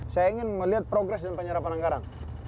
saya ingin melihat progres dan penyerapan anggaran